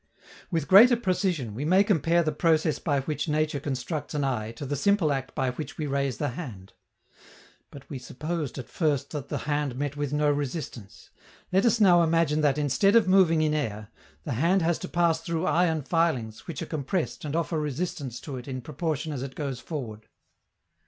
With greater precision, we may compare the process by which nature constructs an eye to the simple act by which we raise the hand. But we supposed at first that the hand met with no resistance. Let us now imagine that, instead of moving in air, the hand has to pass through iron filings which are compressed and offer resistance to it in proportion as it goes forward.